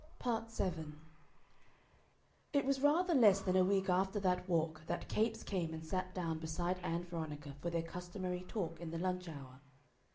Part 7 It was rather less than a week after that walk that Capes came and sat down beside Ann Veronica for their customary talk in the lunch hour.